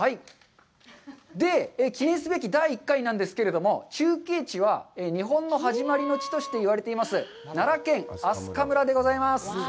記念すべき第１回なんですけれども、中継地は、日本の始まりの地として言われています奈良県明日香村でございます。